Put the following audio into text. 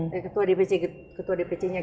dari ketua dpc ketua dpc nya